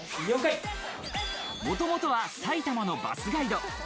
もともとは埼玉のバスガイド。